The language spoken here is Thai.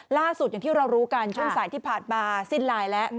ล่าสุดอย่างที่เรารู้กันช่วงสายที่ผ่านมาสิ้นลายแล้ว